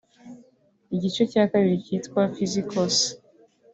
Igice cya kabiri cyitwa 'Psycose'